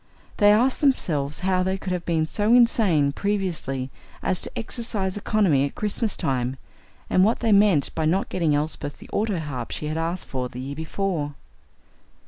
They asked themselves how they could have been so insane previously as to exercise economy at Christmas time, and what they meant by not getting Elsbeth the autoharp she had asked for the year before.